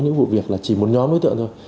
những vụ việc là chỉ một nhóm đối tượng thôi